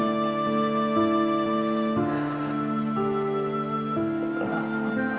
amalanku untuk ilham tawari